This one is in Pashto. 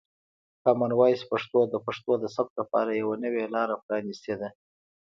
کامن وایس پښتو د پښتو د ثبت لپاره یوه نوې لاره پرانیستې ده.